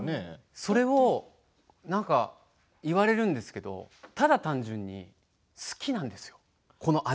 それを言われるんですがただ単純に好きなんですよ